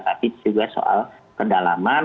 tapi juga soal kedalaman